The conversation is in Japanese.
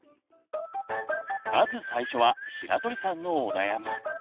まず最初は白鳥さんのお悩み。